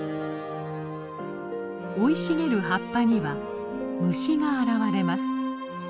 生い茂る葉っぱには虫が現れます。